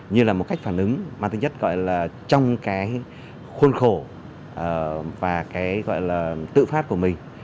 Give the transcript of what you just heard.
như là một cách phản ứng mang tính chất gọi là trong cái khuôn khổ và cái gọi là tự phát của mình